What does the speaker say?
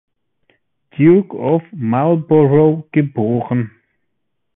Duke of Marlborough geboren.